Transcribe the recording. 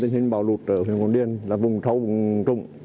tình hình bão lụt ở huyền quang điên là vùng thâu vùng trung